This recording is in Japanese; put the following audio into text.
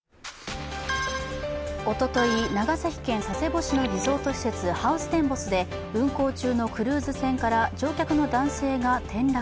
おととい、長崎県佐世保市のリゾート施設、ハウステンボスで運航中のクルーズ船から乗客の男性が転落。